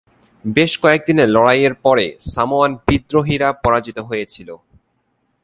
বেশ কয়েক দিনের লড়াইয়ের পরে সামোয়ান বিদ্রোহীরা পরাজিত হয়েছিল।